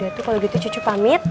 yaudah tuh kalo gitu cucu pamit